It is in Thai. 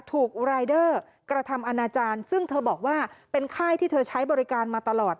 ถูกรายเดอร์กระทำอนาจารย์ซึ่งเธอบอกว่าเป็นค่ายที่เธอใช้บริการมาตลอด